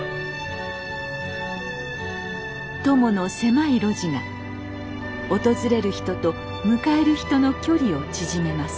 鞆の狭い路地が訪れる人と迎える人の距離を縮めます。